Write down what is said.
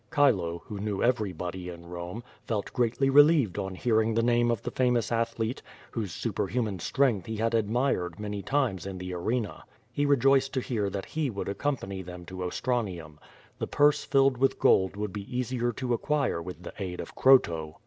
Chilo, who knew everybody in Rome, felt greatly relieved on hearing the name of the famous athlete, whose superhuman strength he had admired many times in the arena. He rejoiced to hear that he would accompany them to Ostranium. The purse filled with gold would be easier to acquire with the aid of Croto.